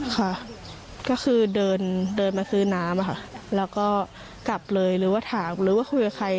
ค่ะก็คือเดินเดินมาซื้อน้ำค่ะแล้วก็กลับเลยหรือว่าถามหรือว่าคุยกับใคร